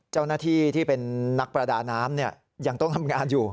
เจ้าหน้าที่ที่เป็นนักประดาน้ำยังต้องทำงานอยู่